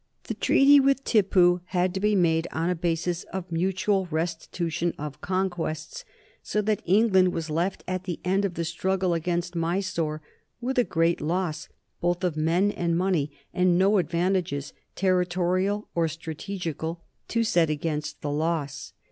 The treaty with Tippu had to be made on a basis of mutual restitution of conquests, so that England was left at the end of the struggle against Mysore with a great loss both of men and money, and no advantages, territorial or strategical, to set against the loss.